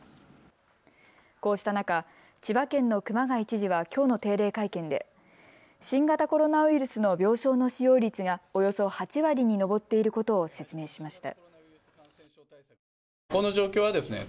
こうした中、千葉県の熊谷知事はきょうの定例会見で新型コロナウイルスの病床の使用率がおよそ８割に上っていることを説明しました。